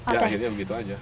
ya akhirnya begitu aja